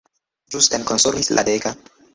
Ĵus eksonoris la deka.